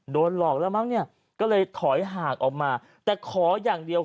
โดนหลอกแล้วมั้งเนี่ยก็เลยถอยห่างออกมาแต่ขออย่างเดียว